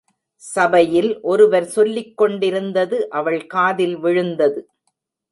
சபையில் ஒருவர் சொல்லிக் கொண்டிருந்தது அவள் காதில் விழுந்தது.